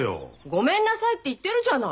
ごめんなさいって言ってるじゃない！